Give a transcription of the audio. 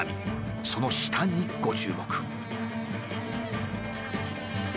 その下にご注目。